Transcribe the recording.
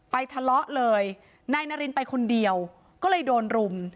ทะเลาะเลยนายนารินไปคนเดียวก็เลยโดนรุม